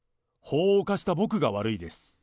法を犯した僕が悪いです。